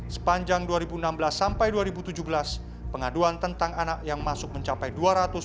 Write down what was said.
sepanjang dua ribu enam belas sampai dua ribu tujuh belas pengaduan tentang anak yang masuk mencapai